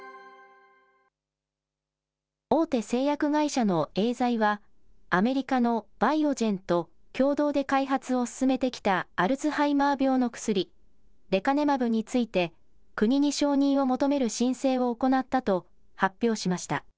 大手製薬会社のエーザイは、アメリカのバイオジェンと共同で開発を進めてきたアルツハイマー病の薬、レカネマブについて、国に承認を求める申請を行ったと、発表しました。